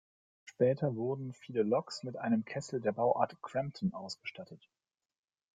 Später wurden viele Loks mit einem Kessel der Bauart "Crampton" ausgestattet.